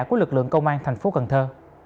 của lực lượng công an thành phố cần thơ